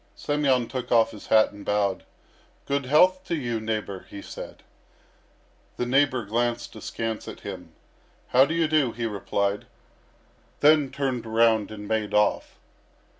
Semyon took off his hat and bowed. "Good health to you, neighbour," he said. The neighbour glanced askance at him. "How do you do?" he replied; then turned around and made off.